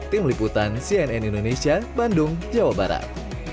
tim liputan cnn indonesia bandung jawa barat